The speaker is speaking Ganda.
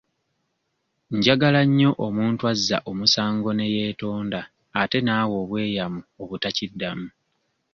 Njagala nnyo omuntu azza omusango ne yeetonda ate n'awa obweyamo obutakiddamu.